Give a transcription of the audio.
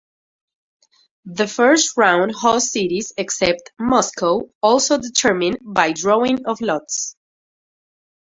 The first round host cities except Moscow also determined by drawing of lots.